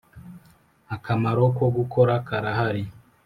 akamaro ko gukora karahari